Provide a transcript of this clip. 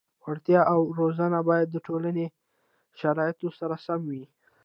وړتیا او روزنه باید د ټولنې شرایطو سره سم وي.